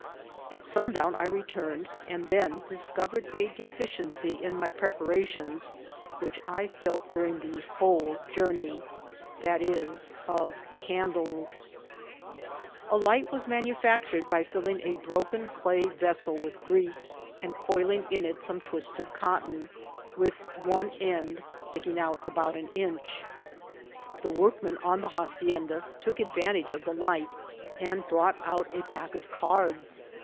At sundown I returned, and tfien discovered a deficiency in my preparations which I felt during the whole jomney, via., of candlea. A IIITBR LAOART08. 879 light was manufactured by filling a broken day veaael with grease, and coiling in it some twisted cotton, with one end sticking out about an inch. The workmen on the hacienda took advantage of the light, and brought out a pack of cards.